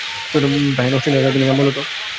Brian, অস্ট্রেলিয়ার রাজধানীর নাম বলো তো?